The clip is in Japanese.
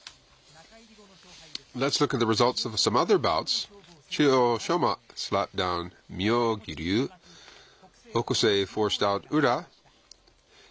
中入り後の勝敗です。